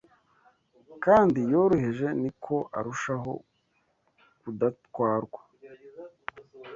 kandi yoroheje ni ko arushaho kudatwarwa